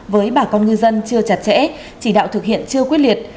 với bà con ngư dân chưa chặt chẽ chỉ đạo thực hiện chưa quyết liệt